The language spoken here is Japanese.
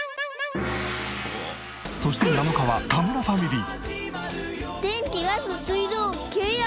そして７日は田村ファミリー。